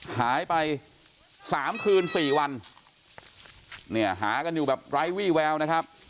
หายไปสามคืนสี่วันเนี่ยหากันอยู่แบบไร้วี่แววนะครับ